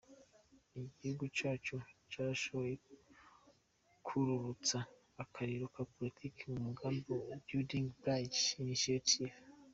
Igihugu cacu carashoboye kwururutsa akariro ka politike mu mugambi Building Bridges Initiative.